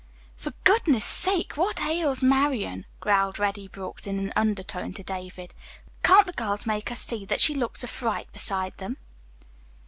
"For goodness sake, what ails Marian!" growled Reddy Brooks in an undertone to David. "Can't the girls make her see that she looks like a fright beside them?"